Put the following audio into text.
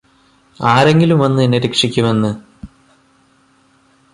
ആരെങ്കിലും വന്ന് എന്നെ രക്ഷിക്കുമെന്ന്